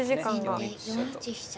４一飛車と。